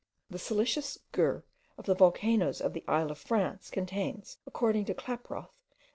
The siliceous gurh of the volcanoes of the Isle of France contains, according to Klaproth, 0.